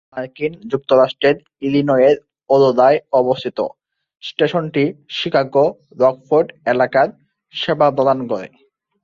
এটি মার্কিন যুক্তরাষ্ট্রের ইলিনয়ের অরোরায় অবস্থিত। স্টেশনটি শিকাগো, রকফোর্ড এলাকায় রেল পরিষেবা প্রদান করে।